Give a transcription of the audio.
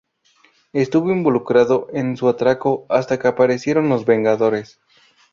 Estuvo involucrado en su atraco hasta que aparecieron los Vengadores.